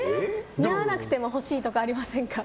似合わなくても欲しいとかありませんか。